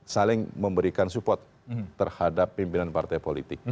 saling memberikan support terhadap pimpinan partai politik